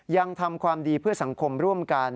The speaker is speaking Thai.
ยังทำความดีเพื่อสังคมร่วมกัน